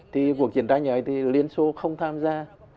thì cuộc chiến tranh ấy thì liên xô không tham gia